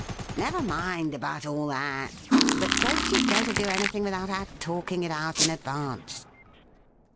' Never mind about all that ! But don't you go to do anything without our talking it out in advance.'